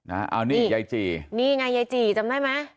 อ่าอย่างนี้ไอ้จีนี่อย่างงี้ไอทีถึงได้ไหม